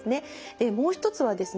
でもう一つはですね